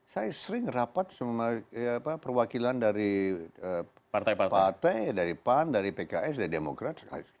saya sering rapat sama perwakilan dari partai dari pan dari pks dari demokrat